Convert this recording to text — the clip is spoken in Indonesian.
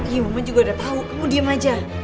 iya mama juga udah tau kamu diem aja